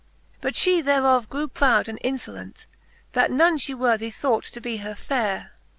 XXIX. But fhe thereof grew proud and infolent. That none fhe worthy thought to be her fere.